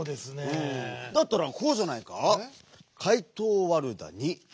だったらこうじゃないか？